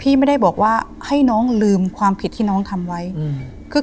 ไม่ได้บอกว่าให้น้องลืมความผิดที่น้องทำไว้อืมคือ